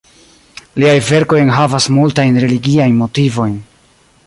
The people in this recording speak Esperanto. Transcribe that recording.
Liaj verkoj enhavas multajn religiajn motivojn.